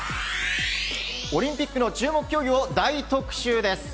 オリンピックの注目競技を大特集です。